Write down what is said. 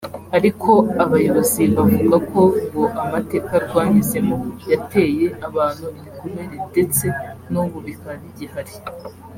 ariko abayobozi bavuga ko ngo amateka rwanyuzemo yateye abantu ibikomere ndetse n’ubu bikaba bigihari